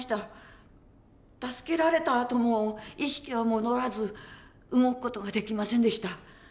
助けられたあとも意識は戻らず動く事ができませんでした。